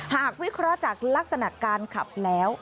วิเคราะห์จากลักษณะการขับแล้ว